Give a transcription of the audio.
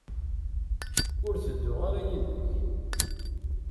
Ur tedduɣ ara yid-k.